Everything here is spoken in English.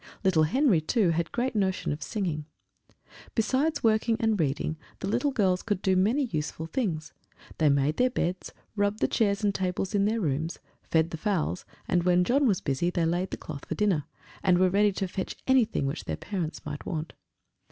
Little Henry, too, had a great notion of singing. Besides working and reading, the little girls could do many useful things; they made their beds, rubbed the chairs and tables in their rooms, fed the fowls; and when John was busy, they laid the cloth for dinner, and were ready to fetch anything which their parents might want.